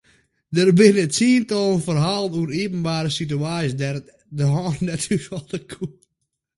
Der binne tsientallen ferhalen oer iepenbiere situaasjes dêr't er de hannen net thúshâlde koe.